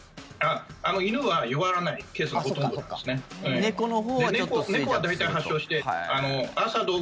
犬は弱らないケースがほとんどなんですね。